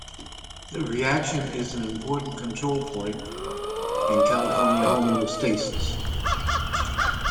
The reaction is an important control point in Ca homeostasis.